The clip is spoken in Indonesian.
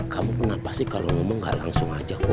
kamu kenapa sih kalau ngomong nggak langsung ajak bu